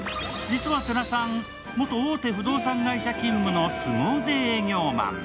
実は世良さん、元大手不動産会社勤務のすご腕営業マン。